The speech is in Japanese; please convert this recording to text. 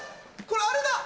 これあれだ！